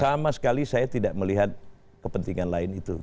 sama sekali saya tidak melihat kepentingan lain itu